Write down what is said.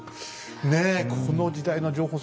ねえこの時代の情報戦